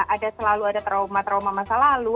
ada selalu ada trauma trauma masa lalu